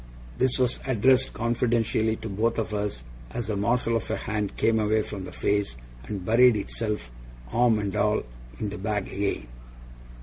This was addressed confidentially to both of us, as the morsel of a hand came away from the face, and buried itself, arm and all, in the bag again.